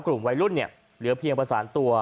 กลุ่มวัยรุ่นเหลือเพียงประสานตัว